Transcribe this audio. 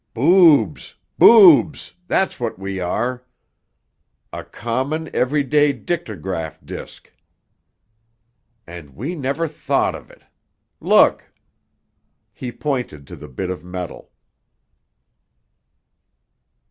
"Boobs! Boobs! That's what we are! A common, everyday dictograph disk! And we never thought of it! Look!" He pointed to the bit of metal.